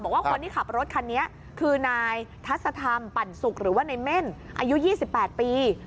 บอกว่าคนที่ขับรถคันนี้คือนายทัศธรรมปั่นสุกหรือว่าในเม่นอายุ๒๘ปี